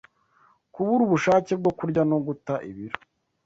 Kubura ubushake bwo kurya no guta ibiro